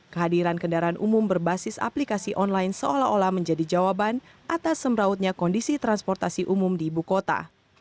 kehadiran kendaraan umum berbasis aplikasi online seolah olah menjadi jawaban atas semrautnya kondisi transportasi umum di ibu kota